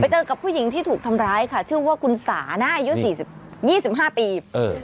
ไปเจอกับผู้หญิงที่ถูกทำร้ายค่ะชื่อว่าคุณสานะอายุสี่สิบยี่สิบห้าปีเออ